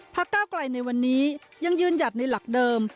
ก้าวไกลในวันนี้ยังยืนหยัดในหลักเดิม